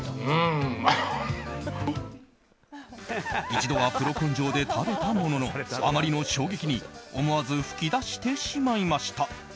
一度はプロ根性で食べたもののあまりの衝撃に思わず噴き出してしまいました。